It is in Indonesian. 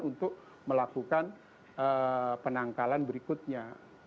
untuk melakukan penangkalan berikutnya